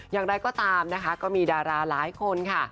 อย่างไรก็ตามนะคะก็มีดาราหลายคนค่ะ